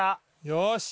よし。